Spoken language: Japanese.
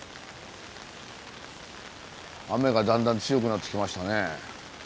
雨がだんだん強くなってきましたね。